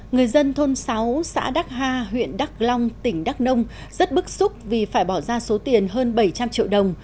người dân thôn sáu xã đắc ha huyện đắk long tỉnh đắk nông rất bức xúc vì phải bỏ ra số tiền hơn bảy trăm linh triệu đồng